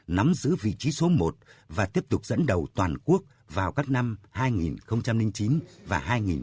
nắm giữ vị trí số một và tiếp tục dẫn đầu toàn quốc vào các năm hai nghìn chín và hai nghìn một mươi